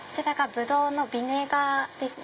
ブドウのビネガーですね。